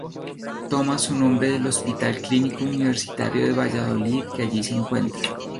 Toma su nombre del Hospital Clínico Universitario de Valladolid que allí se encuentra.